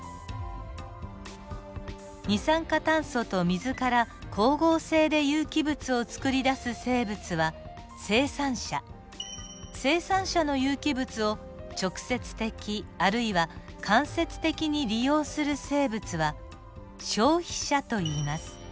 二酸化炭素と水から光合成で有機物をつくり出す生物は生産者生産者の有機物を直接的あるいは間接的に利用する生物は消費者といいます。